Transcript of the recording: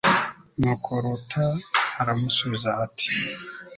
nuko ruta aramusubiza ati